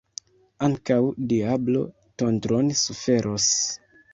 Ankaŭ diablo tondron suferos.